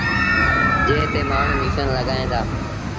جݩهݩ تي مآڻهوٚݩ ميٚشيٚن لڳائيٚݩ دآ۔